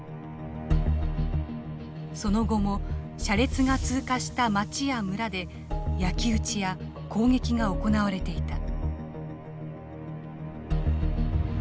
その後も車列が通過した町や村で焼き打ちや攻撃が行われていた。